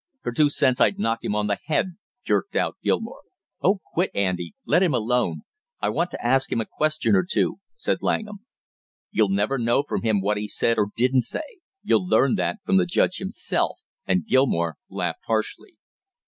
"For two cents I'd knock him on the head!" jerked out Gilmore. "Oh, quit, Andy; let him alone! I want to ask him a question or two," said Langham. "You'll never know from him what he said or didn't say you'll learn that from the judge himself," and Gilmore laughed harshly.